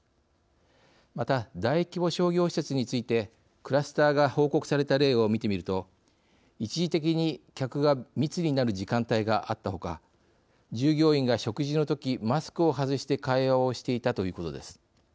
また大規模商業施設についてクラスターが報告された例を見てみると一時的に客が密になる時間帯があったほか従業員が食事のときマスクを外して会話をしていたということです。